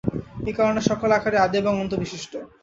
এই কারণে সকল আকারই আদি এবং অন্ত-বিশিষ্ট।